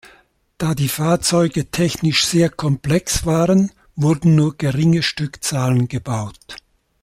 Da die Fahrzeuge technisch sehr komplex waren, wurden nur geringe Stückzahlen gebaut.